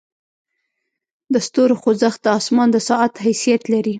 د ستورو خوځښت د اسمان د ساعت حیثیت لري.